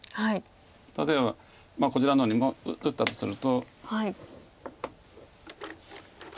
例えばこちらの方にも打ったとすると。